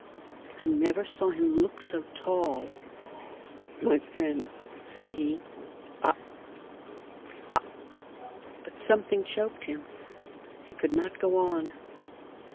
I never saw him look so tall. "My friends," said he, "I I " But something choked him. He could not go on.